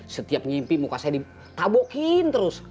setiap nyimpi muka saya ditabokin terus